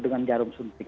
dengan jarum suntik